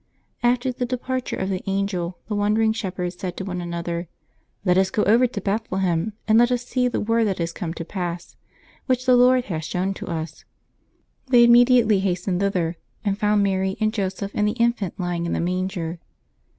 After the departure of the angel the wondering shepherds said to one another: " Let us go over to Bethlehem, and let us see the word that is come to pass, which the Lord hath shown to us.'* They immediately hastened thither, and found Mary and Joseph, and the Infant lying in the manger.